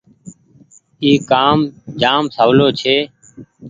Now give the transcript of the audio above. اي ڪآم جآم سولو ڇي۔